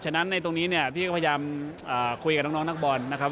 ฉะนั้นในตรงนี้เนี่ยพี่ก็พยายามคุยกับน้องนักบอลนะครับ